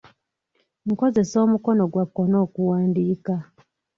Nkozesa omukono gwa kkono okuwandiika.